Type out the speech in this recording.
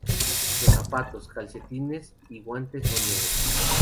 Los zapatos, calcetines y guantes son negros.